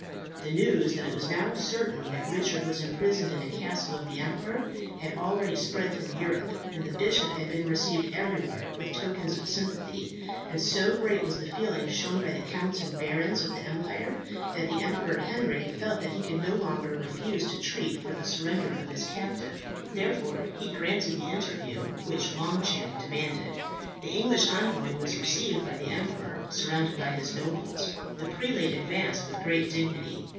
The news that it was now certain that Richard was imprisoned in a castle of the emperor, had already spread through Europe, and the bishop had been received everywhere with tokens of sympathy; and so great was the feeling shown by the counts and barons of the empire, that the Emperor Henry felt that he could no longer refuse to treat for the surrender of his captive. Therefore he granted the interview which Longchamp demanded. The English envoy was received by the emperor surrounded by his nobles. The prelate advanced with great dignity.